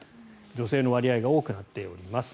女性の割合が多くなっています。